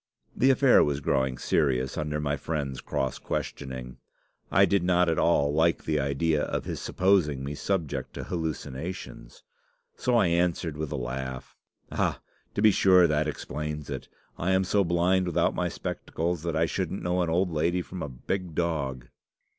"The affair was growing serious under my friend's cross questioning. I did not at all like the idea of his supposing me subject to hallucinations. So I answered, with a laugh, 'Ah! to be sure, that explains it. I am so blind without my spectacles, that I shouldn't know an old lady from a big dog.